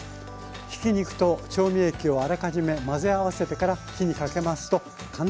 ひき肉と調味液をあらかじめ混ぜ合わせてから火にかけますと簡単にそぼろができます。